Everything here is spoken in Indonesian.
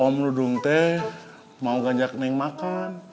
om dudung mau ngajak neng makan